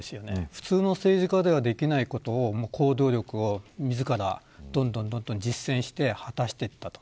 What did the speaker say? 普通の政治家ではできないことを自ら、どんどん実践して果たしていった。